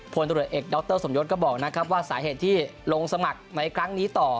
ตรวจเอกดรสมยศก็บอกนะครับว่าสาเหตุที่ลงสมัครในครั้งนี้ต่อ